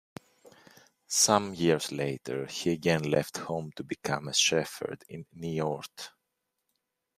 Some years later he again left home to become a shepherd in Niort.